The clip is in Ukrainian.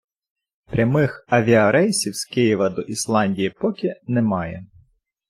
Прямих авіарейсів з Києва до Ісландії поки немає.